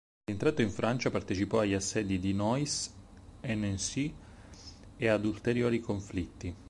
Rientrato in Francia, partecipò agli assedi di Neuss e Nancy e ad ulteriori conflitti.